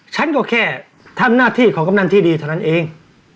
ฉันก็แค่ทำหน้าที่ของกำนันที่ดีเท่านั้นเอง